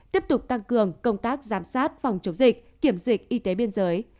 tiếp tục tăng cường công tác giám sát phòng chống dịch kiểm dịch y tế biên giới